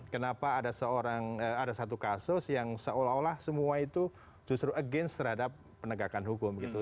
kenapa ada seorang ada satu kasus yang seolah olah semua itu justru against terhadap penegakan hukum gitu